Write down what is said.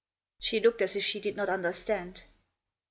She looked as if she did not understand.